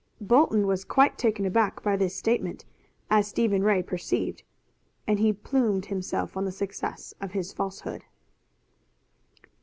Bolton was quite taken aback by this statement, as Stephen Ray perceived, and he plumed himself on the success of his falsehood.